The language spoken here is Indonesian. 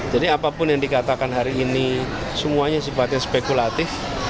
apapun yang dikatakan hari ini semuanya sifatnya spekulatif